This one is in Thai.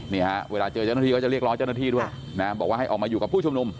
นี่ฮะเวลาเจอเจ้าหน้าที่ก็จะเรียกร้องเจ้าหน้าที่ด้วยนะบอกว่าให้ออกมาอยู่กับผู้ชุมนุม